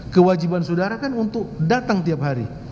kewajiban saudara kan untuk datang tiap hari